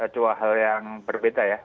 dua hal yang berbeda ya